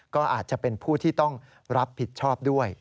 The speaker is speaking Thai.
ก็อาจจะเป็นผู้ที่ต้องรับผิดชอบด้วย